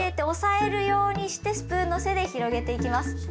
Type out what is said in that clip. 押さえるようにしてスプーンの背で広げていきます。